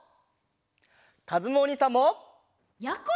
かずむおにいさんも！やころも！